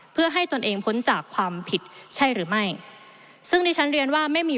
เพื่อให้ตนเองพ้นจากความผิดใช่หรือไม่